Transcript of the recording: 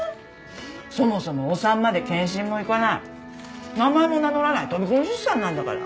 そもそもお産まで健診も行かない名前も名乗らない飛び込み出産なんだから。